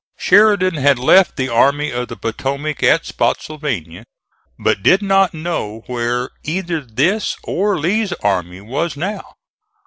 Sheridan had left the Army of the Potomac at Spottsylvania, but did not know where either this or Lee's army was now.